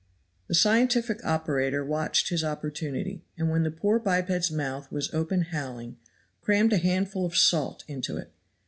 The scientific operator watched his opportunity, and when the poor biped's mouth was open howling, crammed a handful of salt into it.